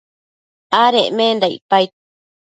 adecmenda icpaid